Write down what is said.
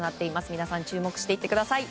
皆さん、注目していてください。